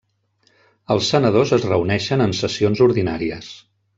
Els senadors es reuneixen en sessions ordinàries.